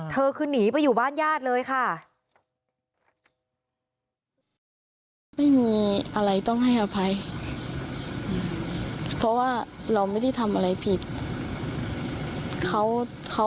เธอคือหนีไปอยู่บ้านญาติเลยค่ะ